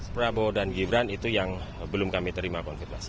prabowo dan gibran itu yang belum kami terima konfirmasi